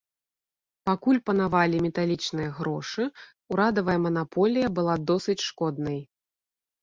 Пакуль панавалі металічныя грошы, урадавая манаполія была досыць шкоднай.